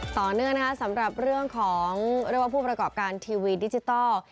ต่อเนื่องนะคะสำหรับเรื่องของเรียกว่าผู้ประกอบการทีวีดิจิทัล